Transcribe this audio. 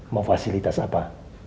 mau fasilitas apa